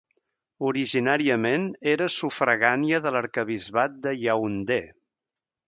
Originàriament era sufragània de l'arquebisbat de Yaoundé.